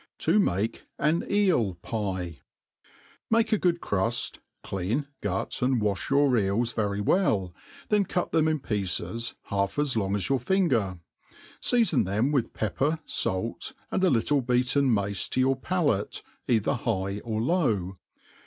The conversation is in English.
T9 make an Eel Pie. MAKE a good cruft, clean, gut, and wafli your eels very well, then cut them in pieces half as long as your finger; fea fon them with pepper, fait, and a little beaten mace to your ' palate, either high or low.